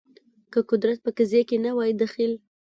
که قدرت په قضیه کې نه وای دخیل